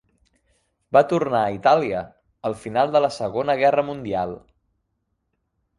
Va tornar a Itàlia al final de la Segona Guerra Mundial.